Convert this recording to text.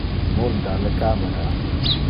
Munde le camera.